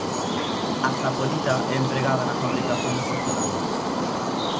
A saponita é empregada na fabricación de porcelanas.